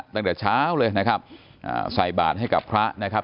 ตั้งแต่เช้าเลยนะครับ